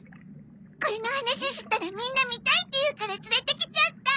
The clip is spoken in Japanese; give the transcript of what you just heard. これの話したらみんな見たいって言うから連れてきちゃった！